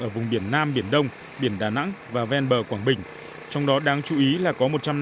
ở vùng biển nam biển đông biển đà nẵng và ven bờ quảng bình trong đó đáng chú ý là có một trăm năm mươi